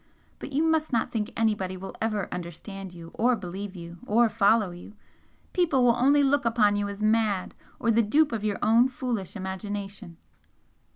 But you must not think anybody will ever understand you or believe you or follow you people will only look upon you as mad, or the dupe of your own foolish imagination!"